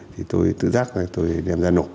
thì tôi tự dắt rồi tôi đem ra nộp